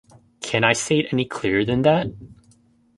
Can I say it any clearer than that?